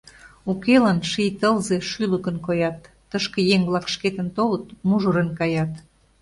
Укелан, ший тылзе, шӱлыкын коят — Тышке еҥ-влак шкетын толыт, мужырын каят.